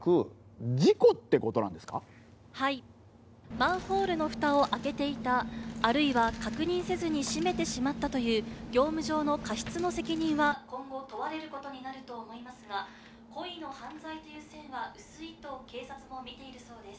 「マンホールの蓋を開けていたあるいは確認せずに閉めてしまったという業務上の過失の責任は今後問われる事になると思いますが故意の犯罪という線は薄いと警察も見ているそうです」